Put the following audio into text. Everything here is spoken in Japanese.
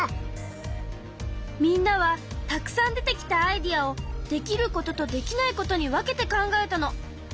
みんなはたくさん出てきたアイデアをできることとできないことに分けて考えたの。